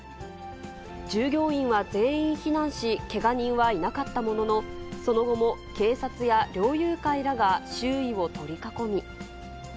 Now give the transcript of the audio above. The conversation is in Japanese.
従業員は全員避難し、けが人はいなかったものの、その後も警察や猟友会らが周囲を取り囲み。